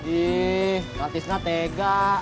ih kak tisna tega